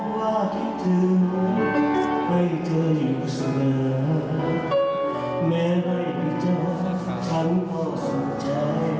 แค่จะรู้รวมใจว่ายังลาขณา